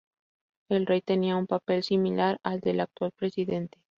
El rey tenía un papel similar al del actual presidente.